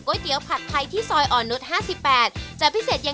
ค่ะ